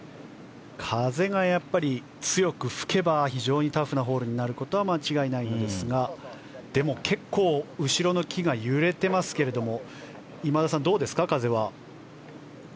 風が強く吹けば非常にタフなホールになることは間違いないんですがでも結構、後ろの木が揺れてますが今田さん、どうですか風は。